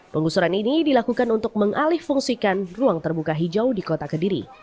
penggusuran ini dilakukan untuk mengalih fungsikan ruang terbuka hijau di kota kediri